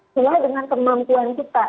sehingga dengan kemampuan kita